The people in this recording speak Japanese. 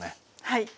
はい。